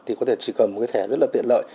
thì có thể chỉ cần một cái thẻ rất là tiện lợi